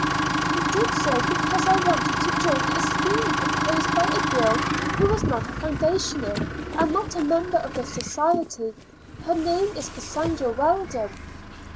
"I did so because I wanted to join a scheme proposed by a girl who was not a foundationer and not a member of the society. Her name is Cassandra Weldon."